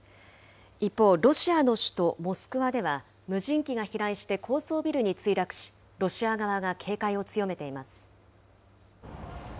一方、ロシアの首都モスクワでは、無人機が飛来して高層ビルに墜落し、ロシア側が警戒を強めています。